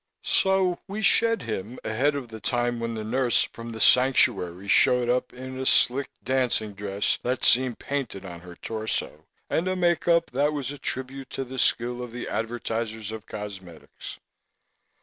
So we shed him ahead of the time when the nurse from "The Sanctuary" showed up in a slick dancing dress that seemed painted on her torso and a make up that was a tribute to the skill of the advertisers of cosmetics.